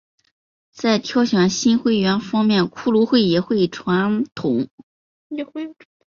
在挑选新会员方面骷髅会也有传统。